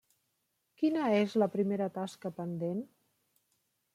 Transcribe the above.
Quina és la primera tasca pendent?